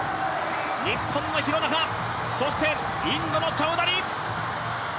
日本の廣中そしてインドのチャウダリ。